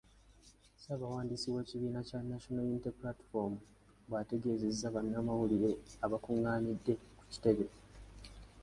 Ssaabawandiisi w’ekibiina kya National Unity Platform, bwategeezezza bannamawulire abakung’aanidde ku kitebe ky’ekibiina.